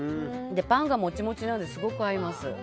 パンがもちもちなのですごく合います。